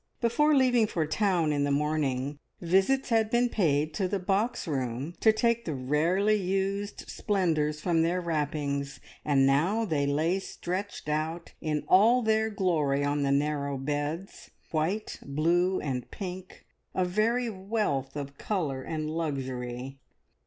Before leaving for town in the morning, visits had been paid to the box room to take the rarely used splendours from their wrappings, and now they lay stretched out in all their glory on the narrow beds, white, blue, and pink, a very wealth of colour and luxury.